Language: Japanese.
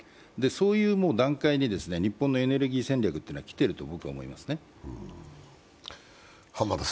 そういう段階に日本のエネルギー戦略は来ていると思います。